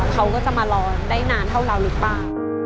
เขาก็จะมารอได้นานเท่าเราหรือเปล่า